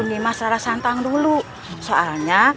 ini masalah santang dulu soalnya